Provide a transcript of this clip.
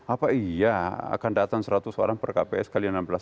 apa iya akan datang seratus orang per kps kalian enam belas